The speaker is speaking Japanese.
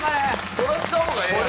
それはした方がええやろ。